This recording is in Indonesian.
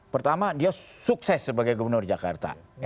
pertama dia sukses sebagai gubernur jakarta